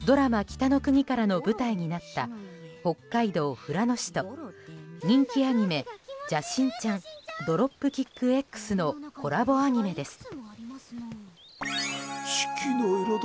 「北の国から」の舞台になった北海道富良野市と人気アニメ「邪神ちゃんドロップキックＸ」のコラボアニメです。